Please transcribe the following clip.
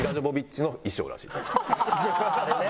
あれね。